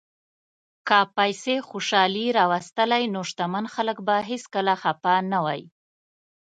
که پیسې خوشالي راوستلی، نو شتمن خلک به هیڅکله خپه نه وای.